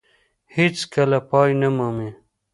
هېڅ کله پای نه مومي.